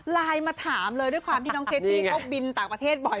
ไลน์มาถามเลยด้วยความที่น้องเจตตี้เขาบินต่างประเทศบ่อย